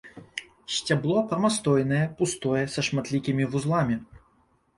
Сцябло прамастойнае, пустое, са шматлікімі вузламі.